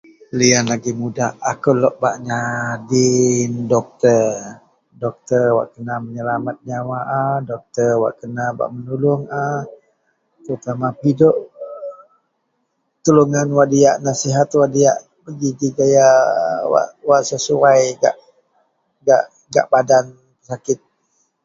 . Liyan agei mudak, akou lok baj nyadin doktor. Doktor wak kena menyelamet nyawa a. Doktor wak kena bak menuluong a terutama pidok tuluongan wak diyak, nasihat wak diyak, geji ji gaya wak, wak sesuai gak, gak badan sakit